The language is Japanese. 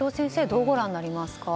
どうご覧になりますか？